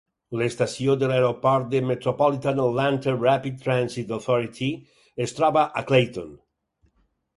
L'estació de l'aeroport de Metropolitan Atlanta Rapid Transit Authority es troba a Clayton.